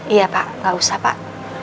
iya pak nggak usah pak